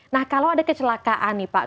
nah kalau ada kecelakaan nih pak